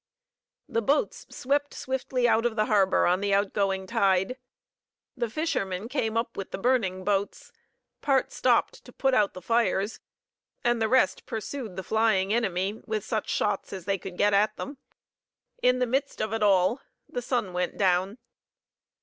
The boats swept swiftly out of the harbor on the outgoing tide. The fishermen came up with the burning boats. Part stopped to put out the fires, and the rest pursued the flying enemy with such shots as they could get at them. In the midst of it all, the sun went down.